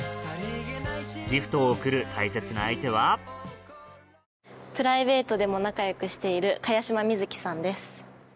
ギフトを贈る大切な相手はプライベートでも仲良くしている茅島みずきさんです。